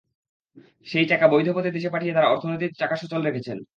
সেই টাকা বৈধ পথে দেশে পাঠিয়ে তাঁরা অর্থনীতির চাকা সচল রেখেছেন।